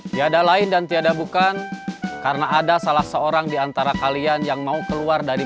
tiada lain dan tiada bukan karena ada salah seorang diantara kalian yang mau keluar dari